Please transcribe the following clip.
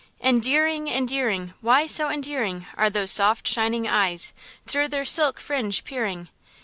Endearing! endearing! Why so endearing Are those soft shining eyes, Through their silk fringe peering?